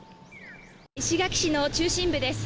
石垣市の中心部です。